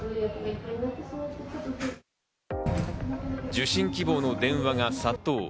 受診希望の電話が殺到。